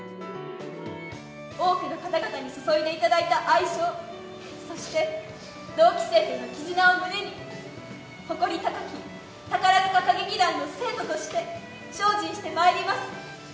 多くの方々に注いでいただいた愛情、そして同期生との絆を胸に、誇り高き宝塚歌劇団の生徒として、精進してまいります。